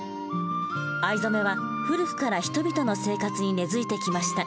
藍染めは古くから人々の生活に根づいてきました。